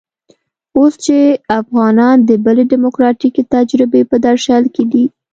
اوس چې افغانان د بلې ډيموکراتيکې تجربې په درشل کې دي.